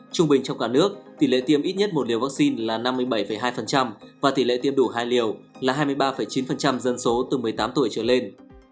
trung bình trong cả nước tỷ lệ tiêm ít nhất một liều vaccine là năm mươi bảy hai và tỷ lệ tiêm đủ hai liều là hai mươi ba chín dân số từ một mươi tám tuổi trở lên